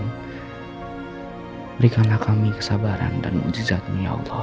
berikanlah kami kesabaran dan mujizatmu ya allah